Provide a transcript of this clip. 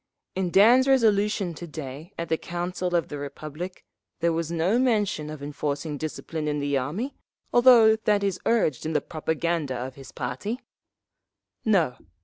In Dan's resolution to day at the Council of the Republic there was no mention of enforcing discipline in the army, although that is urged in the propaganda of his party…. "No.